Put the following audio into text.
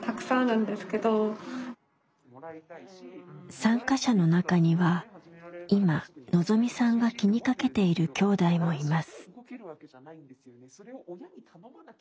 参加者の中には今のぞみさんが気にかけているきょうだいもいます。